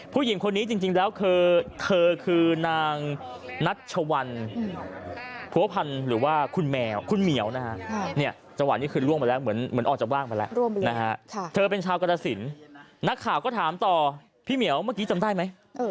พี่เหมียวเมื่อกี้จำได้ไหม